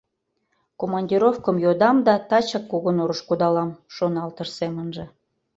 Командировкым йодам да тачак Кугунурыш кудалам, — шоналтыш семынже.